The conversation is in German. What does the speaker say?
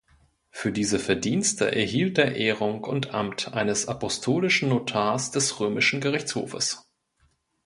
Für diese Verdienste erhielt er Ehrung und Amt eines Apostolischen Notars des römischen Gerichtshofes.